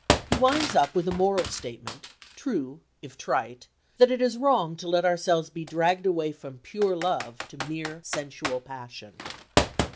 He winds up with a moral statement, true if trite, that it is wrong to let ourselves be dragged away from pure love to mere sensual passion.